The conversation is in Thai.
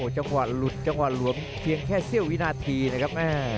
จังหวะหลุดจังหวะหลวมเพียงแค่เสี้ยววินาทีนะครับ